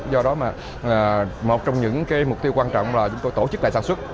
do đó mà một trong những mục tiêu quan trọng là chúng tôi tổ chức lại sản xuất